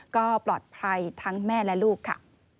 ก็ปลอดภัยทั้งแม่และลูกค่ะ